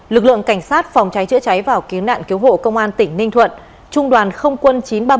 lực lượng cảnh sát phòng cháy chữa cháy và cứu nạn cứu hộ công an tỉnh ninh thuận trung đoàn không quân chín trăm ba mươi